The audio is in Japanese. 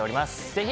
ぜひ。